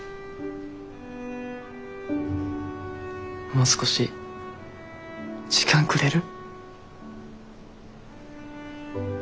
もう少し時間くれる？